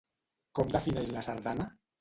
Com defineix la sardana?